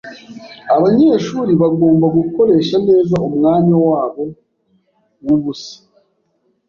Abanyeshuri bagomba gukoresha neza umwanya wabo wubusa.